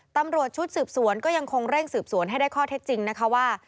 ตำรวจชุดสืบสวนก็ยังคงเร่งสืบสวนให้ได้ข้อเท็จจริงนะคะว่า